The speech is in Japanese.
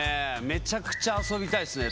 めちゃくちゃ遊びたいっすね！